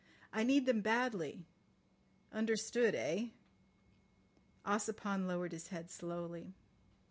I need them badly. Understood—eh?" Ossipon lowered his head slowly.